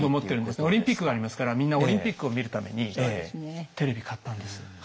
オリンピックがありますからみんなオリンピックを見るためにテレビ買ったんです。